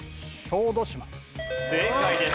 正解です。